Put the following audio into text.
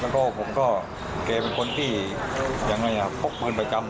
แล้วก็ผมก็เกรย์เป็นคนที่ยังไงครับพกปืนประจำอ่ะ